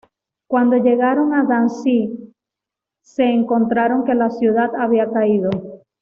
Cuando llegaron a Danzig se encontraron que la ciudad había caído.